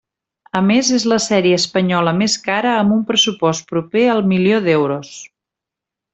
A més és la sèrie espanyola més cara amb un pressupost proper al milió d'euros.